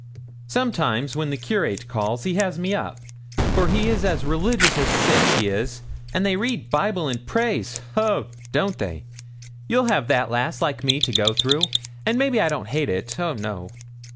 'Sometimes, when the curate calls, he has me up for he's as religious as six, he is and they read Bible and prays, ho don't they? You'll have that, lass, like me, to go through; and maybe I don't hate it; oh, no!'